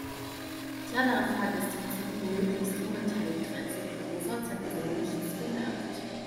Die anderen Fahrgäste versuchten möglichst unbeteiligt dreinzublicken, so als hätten sie nichts bemerkt.